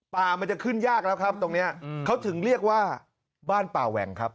มันจะขึ้นยากแล้วครับตรงนี้เขาถึงเรียกว่าบ้านป่าแหว่งครับ